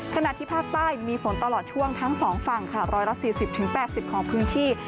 ขณะที่ภาคใต้มีฝนตลอดช่วงทั้ง๒ฝั่งค่ะ๑๔๐๘๐ของพื้นที่